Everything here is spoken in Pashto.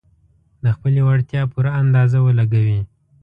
د خپلې وړتيا پوره اندازه ولګوي.